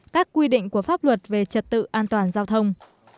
các quy định của pháp luật về trật tự an toàn giao thông